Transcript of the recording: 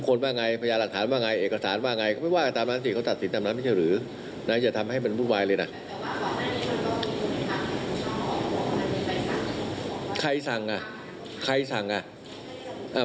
ใครสั่งอ่ะใครสั่งอ่ะ